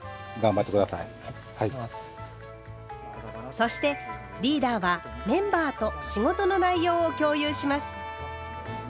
そしてリーダーはメンバーと仕事の内容を共有します。